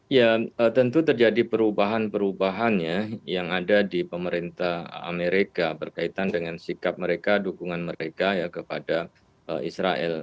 ya tentu terjadi perubahan perubahan ya yang ada di pemerintah amerika berkaitan dengan sikap mereka dukungan mereka ya kepada israel